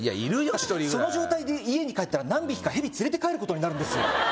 １人ぐらいその状態で家に帰ったら何匹かヘビ連れて帰ることになるんですよ